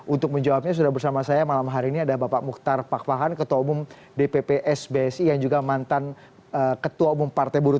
untuk menjawabnya sudah bersama saya malam hari ini ada bapak mukhtar pakpahan ketua umum dpp sbsi yang juga mantan ketua umum partai buruh